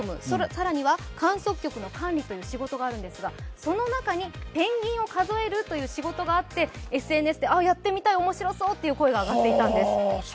更には観測局の管理という仕事があるんですがその中にペンギンを数えるという仕事があってＳＮＳで、あ、やってみたい、面白そうという声が上がっていたんです。